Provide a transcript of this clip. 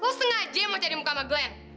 aku sengaja mau cari muka sama glenn